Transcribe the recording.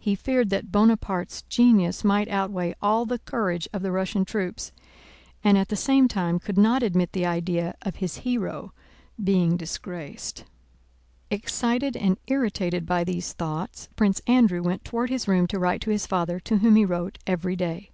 He feared that Bonaparte's genius might outweigh all the courage of the Russian troops, and at the same time could not admit the idea of his hero being disgraced. Excited and irritated by these thoughts Prince Andrew went toward his room to write to his father, to whom he wrote every day.